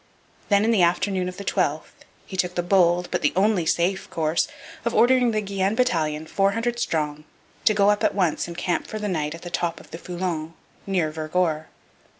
Then, in the afternoon of the 12th, he took the bold but the only safe course of ordering the Guienne battalion, four hundred strong, to go up at once and camp for the night at the top of the Foulon, near Vergor.